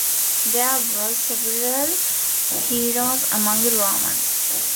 There were several heroes among the Romans.